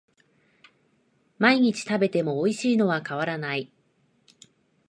毎日食べてもおいしいのは変わらない